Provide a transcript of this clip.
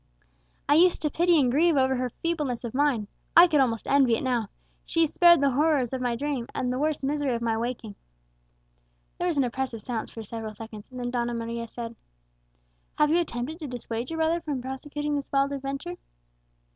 I used to pity and grieve over her feebleness of mind, I could almost envy it now; she is spared the horrors of my dream, and the worse misery of my waking!" There was an oppressive silence for several seconds and then Donna Maria said, "Have you attempted to dissuade your brother from prosecuting this wild adventure?"